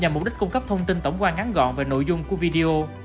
nhằm mục đích cung cấp thông tin tổng quan ngắn gọn về nội dung của video